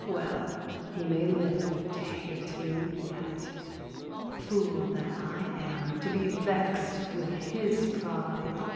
Well, he may live to hate me yet. Fool that I am to be vext with his pride!